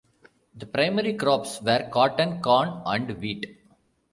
The primary crops were cotton, corn and wheat.